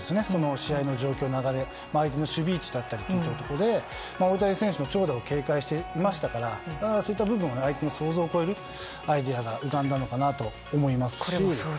試合の状況、流れ相手の守備位置だったりというところで大谷選手、長打を警戒してましたからそういった部分は相手の想像を超えるアイデアが浮かんだと思います。